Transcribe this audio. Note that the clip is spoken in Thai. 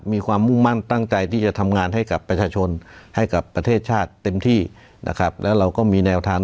มีความมุ่งมั่นตั้งใจที่จะทำงานให้กับประชาชน